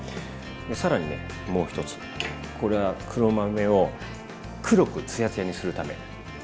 さらにねもう一つこれは黒豆を黒くツヤツヤにするため。